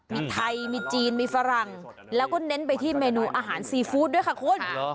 มีไทยมีจีนมีฝรั่งแล้วก็เน้นไปที่เมนูอาหารซีฟู้ดด้วยค่ะคุณ